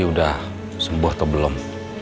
udah sembuh atau belum